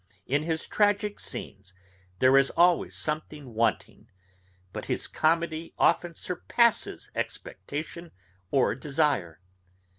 In his tragick scenes there is always something wanting, but his comedy often surpasses expectation or desire.